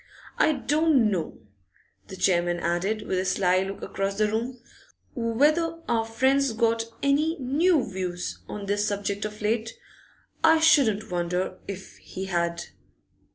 I don't know,' the chairman added, with a sly look across the room, 'whether our friend's got any new views on this subject of late. I shouldn't wonder if he had.